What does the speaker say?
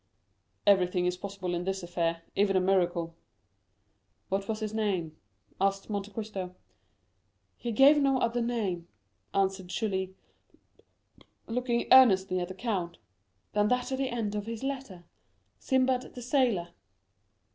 "Everything is possible in this affair, even a miracle." "What was his name?" asked Monte Cristo. "He gave no other name," answered Julie, looking earnestly at the count, "than that at the end of his letter—'Sinbad the Sailor.